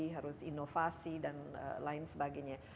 harus inovasi dan lain sebagainya